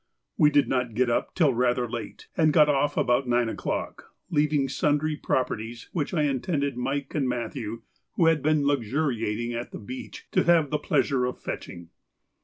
We did not get up till rather late, and got off about nine o'clock, leaving sundry properties which I intended Mike and Matthew, who had been luxuriating at the beach, to have the pleasure of fetching.